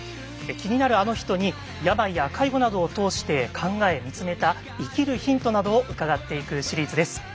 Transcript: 気になるあの人に病や介護などを通して考え見つめた生きるヒントなどを伺っていくシリーズです。